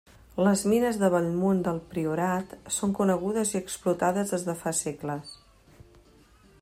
Les mines de Bellmunt del Priorat són conegudes i explotades des de fa segles.